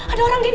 ada orang din